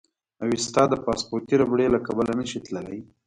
اوېستا د پاسپورتي ربړې له کبله نه شي تللی.